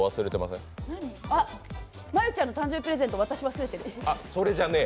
真悠ちゃんの誕生日プレゼント渡し忘れてる？